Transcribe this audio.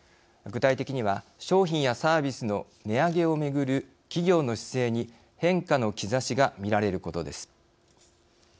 具体的には商品やサービスの値上げをめぐる企業の姿勢に変化の兆しがみられることです。